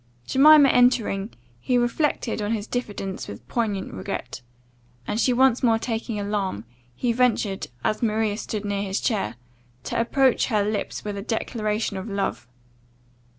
Jemima entering, he reflected on his diffidence with poignant regret, and, she once more taking alarm, he ventured, as Maria stood near his chair, to approach her lips with a declaration of love.